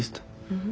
うん。